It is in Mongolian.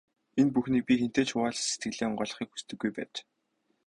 Энэ бүхнийг би хэнтэй ч хуваалцаж, сэтгэлээ онгойлгохыг хүсдэггүй байж.